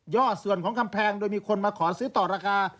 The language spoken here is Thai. อดส่วนของกำแพงโดยมีคนมาขอซื้อต่อราคา